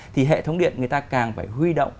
thì hệ thống điện người ta càng phải huy động